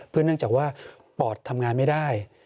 เนื่องจากว่าปอดทำงานไม่ได้